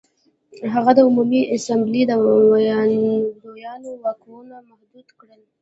هغه د عمومي اسامبلې د ویاندویانو واکونه محدود کړل